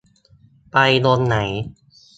ไปลงไหน